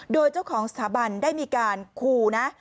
โดยเจ้าของสถาบันได้มีการขู่นะ